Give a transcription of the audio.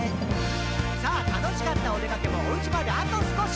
「さぁ楽しかったおでかけもお家まであと少し」